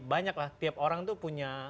banyak lah tiap orang tuh punya